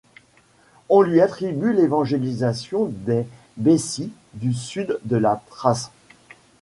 On lui attribue l'évangélisation des Bessi du sud de la Thrace.